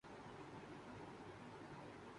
محنت میں عظمت ہے